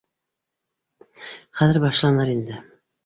Хәҙер башланыр инде